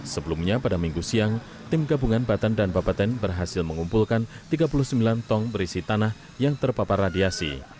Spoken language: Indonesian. sebelumnya pada minggu siang tim gabungan batan dan bapeten berhasil mengumpulkan tiga puluh sembilan tong berisi tanah yang terpapar radiasi